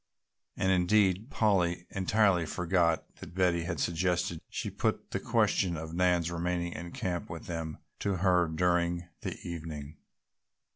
And indeed Polly entirely forgot that Betty had suggested she put the question of Nan's remaining in camp with them to her again during the evening.